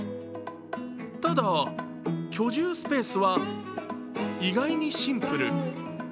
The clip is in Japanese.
ただ、居住スペースは意外にシンプル。